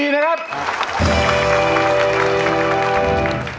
๔นะครับ